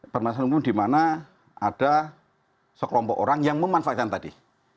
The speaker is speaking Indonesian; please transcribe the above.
permasalahan hukum dimana ada sekelompok orang yang memanfaatkan tadi